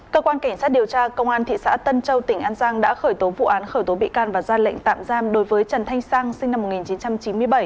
cơ quan cảnh sát điều tra công an thị xã tân châu tỉnh an giang đã khởi tố vụ án khởi tố bị can và ra lệnh tạm giam đối với trần thanh sang sinh năm một nghìn chín trăm chín mươi bảy